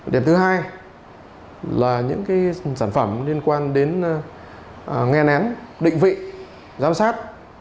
điểm thứ hai là những sản phẩm liên quan đến nghe nén định vị giám sát